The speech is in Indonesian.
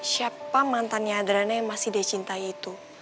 siapa mantannya adriana yang masih dia cintai itu